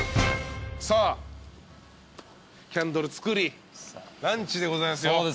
さあキャンドル作りランチでございますよ。